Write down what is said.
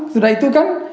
sudah itu kan